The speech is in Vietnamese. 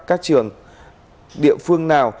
các trường địa phương nào